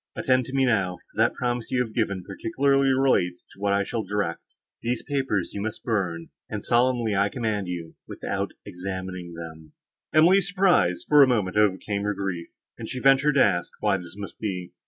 Attend to me now, for the promise you have given particularly relates to what I shall direct. These papers you must burn—and, solemnly I command you, without examining them." Emily's surprise, for a moment, overcame her grief, and she ventured to ask, why this must be?